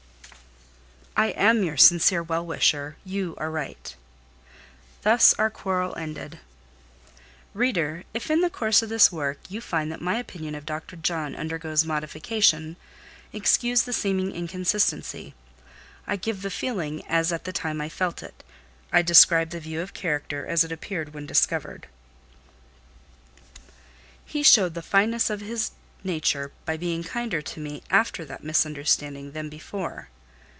"I am your sincere well wisher: you are right." Thus our quarrel ended. Reader, if in the course of this work, you find that my opinion of Dr. John undergoes modification, excuse the seeming inconsistency. I give the feeling as at the time I felt it; I describe the view of character as it appeared when discovered. He showed the fineness of his nature by being kinder to me after that misunderstanding than before.